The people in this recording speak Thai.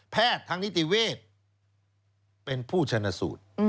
แพทย์ทางนิติเวทย์เป็นผู้ชนสูตร